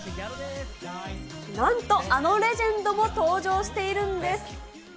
なんとあのレジェンドも登場しているんです。